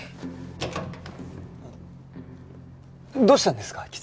どうしたんですか？